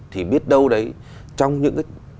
thì biết đâu đấy trong những